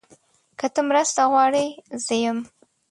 که ته مرسته غواړې، زه یم.